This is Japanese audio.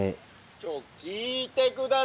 「ちょっと聞いて下さい！